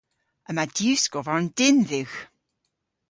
Yma diwskovarn dynn dhywgh.